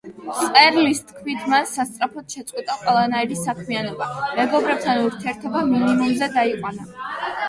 მწერლის თქმით, მან სასწრაფოდ შეწყვიტა ყველანაირი საქმიანობა, მეგობრებთან ურთიერთობა მინიმუმზე დაიყვანა.